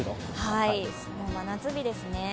もう真夏日ですね。